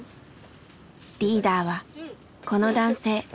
リーダーはこの男性。